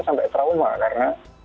sampai trauma karena